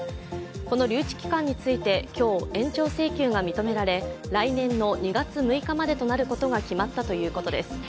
この留置期間について今日、延長請求が認められ、来年の２月６日までとなることが決まったということです。